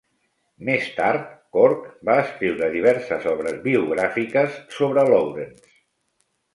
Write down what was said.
Més tard, Corke va escriure diverses obres biogràfiques sobre Lawrence.